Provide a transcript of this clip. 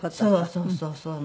そうそうそうそう。